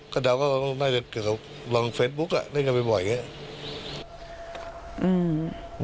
ก็น่าจะเกือบกับลองเฟซบุ๊กอ่ะเล่นกันไปบ่อยอย่างเงี้ย